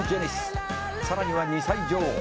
「さらには２歳女王」